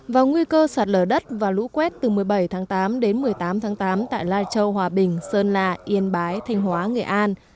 và nguy cơ sạt lở đất và lũ quét từ một mươi bảy tháng tám đến một mươi tám tháng tám tại lai châu hòa bình sơn lạ yên bái thanh hóa nghệ an